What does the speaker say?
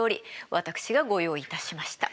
私がご用意いたしました。